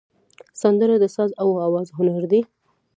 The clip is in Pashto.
سندره د ساز او آواز هنر دی